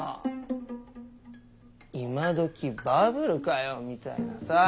今どきバブルかよみたいなさぁ。